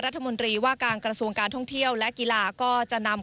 รัฐมนตรีว่าการกระทรวงการท่องเที่ยวและกีฬาก็จะนำ